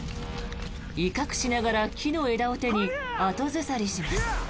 威嚇しながら木の枝を手に後ずさりします。